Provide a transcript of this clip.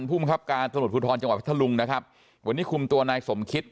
ภูมิครับการตำรวจภูทรจังหวัดพัทธลุงนะครับวันนี้คุมตัวนายสมคิต